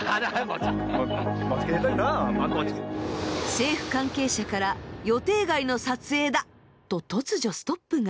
政府関係者から「予定外の撮影だ！」と突如ストップが。